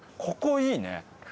ここいいね。